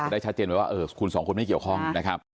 ได้ชัดเจนไว้ว่าคุณสองคนไม่เกี่ยวข้องนะครับ